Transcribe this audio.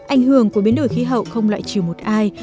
ảnh hưởng của biến đổi khí hậu không loại trừ một ai